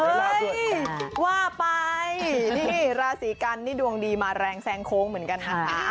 เฮ้ยว่าไปนี่ราศีกันนี่ดวงดีมาแรงแซงโค้งเหมือนกันนะคะ